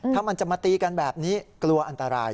ถ้ามันจะมาตีกันแบบนี้กลัวอันตราย